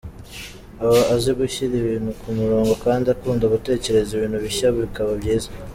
Aba azi gushyira ibintu ku murongo kandi akunda gutekereza ibintu bishya bikaba byiza.